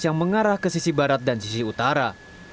yang mengarah ke sisi barat dan sisi utara